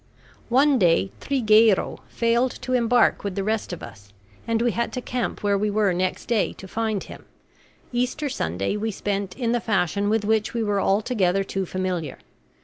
One day Trigueiro failed to embark with the rest of us, and we had to camp where we were next day to find him. Easter Sunday we spent in the fashion with which we were altogether too familiar.